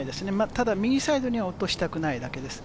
ただ右サイドに落としたくないだけです。